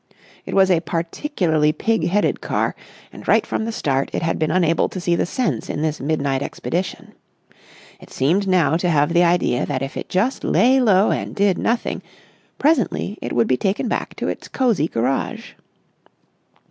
It was a particularly pig headed car and right from the start it had been unable to see the sense in this midnight expedition. It seemed now to have the idea that if it just lay low and did nothing, presently it would be taken back to its cosy garage.